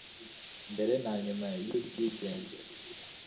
mbere na nyuma y'ubwigenge